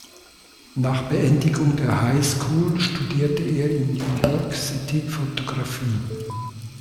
Nach Beendigung der High School studierte er in New York City Fotografie.